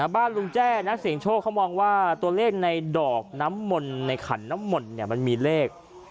บ้านลุงแจ้นักเสียงโชคเขามองว่าตัวเลขในดอกน้ำมนต์ในขันน้ำมนต์มันมีเลข